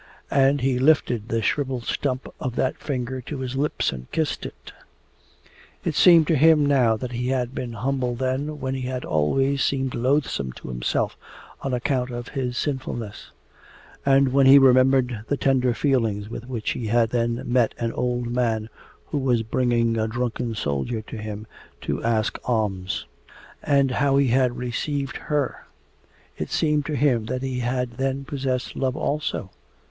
And he lifted the shrivelled stump of that finger to his lips and kissed it. It seemed to him now that he had been humble then when he had always seemed loathsome to himself on account of his sinfulness; and when he remembered the tender feelings with which he had then met an old man who was bringing a drunken soldier to him to ask alms; and how he had received HER, it seemed to him that he had then possessed love also.